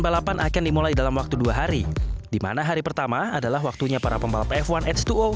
balapan akan dimulai dalam waktu dua hari dimana hari pertama adalah waktunya para pembalap f satu h dua o